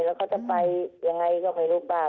แล้วเขาจะไปยังไงก็ไม่รู้ป้า